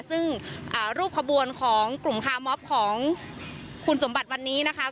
ซึ่งรูปขบวนของกลุ่มคาร์มอบของคุณสมบัติวันนี้นะคะ